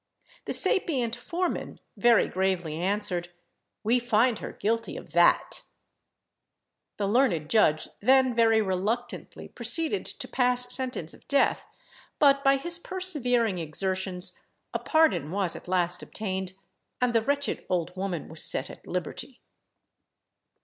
The sapient foreman very gravely answered, "We find her guilty of that." The learned judge then very reluctantly proceeded to pass sentence of death; but, by his persevering exertions, a pardon was at last obtained, and the wretched old woman was set at liberty.